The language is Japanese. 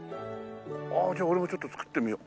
ああじゃあ俺もちょっと作ってみよう。